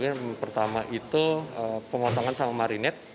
yang pertama itu pengotongan sama marinet